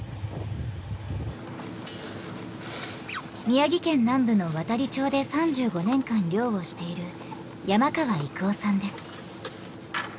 宮城県南部の亘理町で３５年間漁をしている山川育夫さんです。